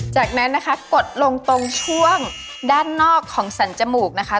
จากนั้นนะคะกดลงตรงช่วงด้านนอกของสันจมูกนะคะ